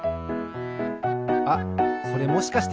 あっそれもしかして？